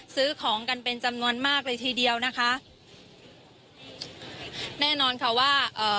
ซื้อของกันเป็นจำนวนมากเลยทีเดียวนะคะแน่นอนค่ะว่าเอ่อ